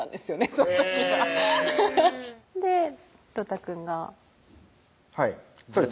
その時はでロタくんがはいそうですね